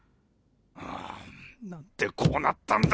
ああなんでこうなったんだ！